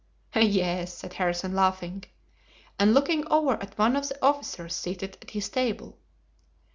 "Yes," said Harrison, laughing, and looking over at one of the officers seated at his table.